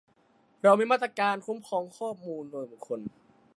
เรามีมาตราการคุ้มครองข้อมูลส่วนบุคคล